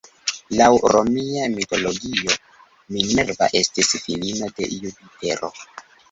Laŭ romia mitologio, Minerva estis filino de Jupitero.